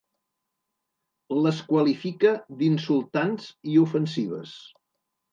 Les qualifica d’insultants i ofensives.